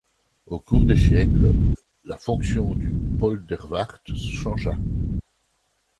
Au cours des siècles, la fonction du Poldervaart changea.